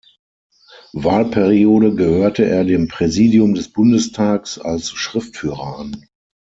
Wahlperiode gehörte er dem Präsidium des Bundestags als Schriftführer an.